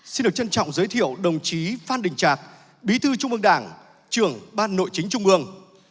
xin được trân trọng giới thiệu đồng chí phan đình trạc bí thư trung ương đảng trưởng ban nội chính trung ương